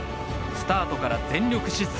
スタートから全力疾走。